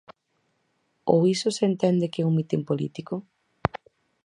¿Ou iso se entende que é un mitin político?